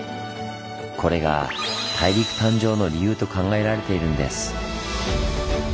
これが大陸誕生の理由と考えられているんです。